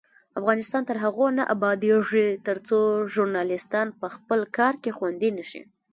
افغانستان تر هغو نه ابادیږي، ترڅو ژورنالیستان په خپل کار کې خوندي نشي.